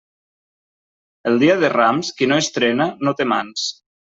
El dia de Rams, qui no estrena no té mans.